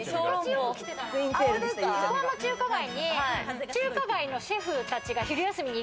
横浜中華街に中華街のシェフたちが昼休みに